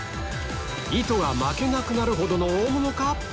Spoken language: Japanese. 糸が巻けなくなるほどの大物か？